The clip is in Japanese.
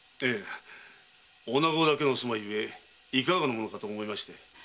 いやおなごだけの住まいゆえいかがなものかと思いまして。